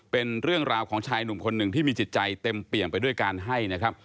เป็นเรื่องราวของชายหนุ่มคนหนึ่งที่มีจิตใจเต็มเปี่ยมไปด้วยการให้นะครับ